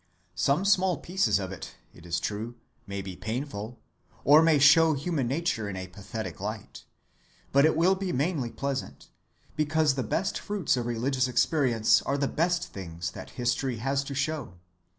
Some small pieces of it, it is true, may be painful, or may show human nature in a pathetic light, but it will be mainly pleasant, because the best fruits of religious experience are the best things that history has to show.